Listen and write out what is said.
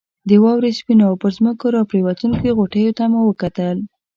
د واورې سپینو او پر ځمکه راپرېوتونکو غټیو ته مو کتل.